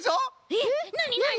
えっなになに？